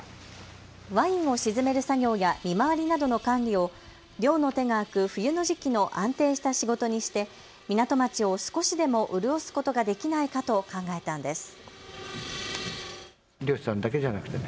ワインを沈める作業や見回りなどの管理を漁の手が空く冬の時期の安定した仕事にして港町を少しでも潤すことができないかと考えたんです。